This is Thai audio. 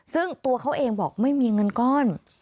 ซึ่งตัวเขาเองบอกไม่มีเงินก้อน